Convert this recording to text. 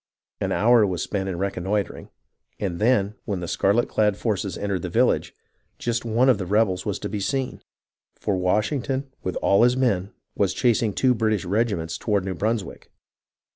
An hour was spent in reconnoitring, and then when the scarlet clad forces entered the village, jwt one of the rebels ivas to be seen ; for Washington, with all his men, was chasing two British regiments toward New Brunswick.